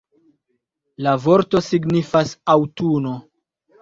La vorto signifas „aŭtuno“.